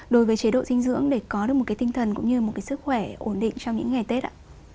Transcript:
đối với chế độ dinh dưỡng để có được một cái tinh thần cũng như một cái sức khỏe ổn định trong những ngày tết ạ